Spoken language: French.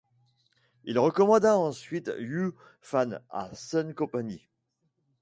Il recommanda ensuite Yu Fan à Sun Ce.